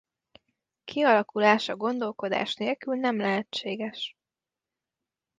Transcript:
Kialakulása gondolkodás nélkül nem lehetséges.